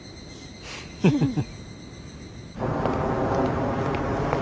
フフフ。